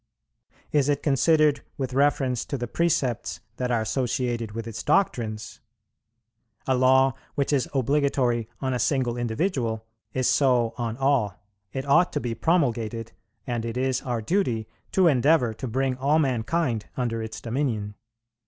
Is it considered with reference to the precepts that are associated with its doctrines? A law which is obligatory on a single individual, is so on all; it ought to be promulgated, and it is our duty to endeavour to bring all mankind under its dominion.